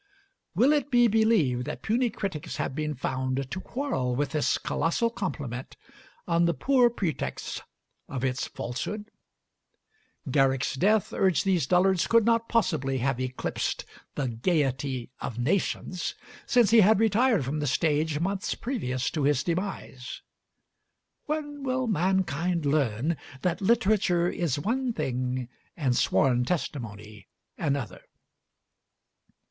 Will it be believed that puny critics have been found to quarrel with this colossal compliment on the poor pretext of its falsehood? Garrick's death, urge these dullards, could not possibly have eclipsed the gayety of nations, since he had retired from the stage months previous to his demise. When will mankind learn that literature is one thing, and sworn testimony another?